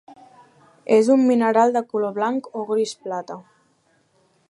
És un mineral de color blanc o gris plata.